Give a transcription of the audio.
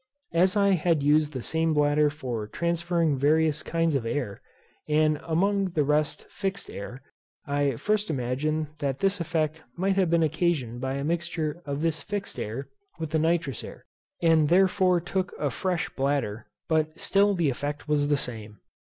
As I had used the same bladder for transferring various kinds of air, and among the rest fixed air, I first imagined that this effect might have been occasioned by a mixture of this fixed air with the nitrous air, and therefore took a fresh bladder; but still the effect was the same.